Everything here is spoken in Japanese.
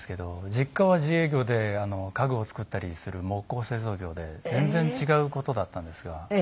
実家は自営業で家具を作ったりする木工製造業で全然違う事だったんですが。